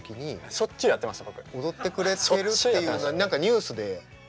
しょっちゅうやってました。